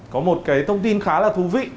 có một cái thông tin khá là thú vị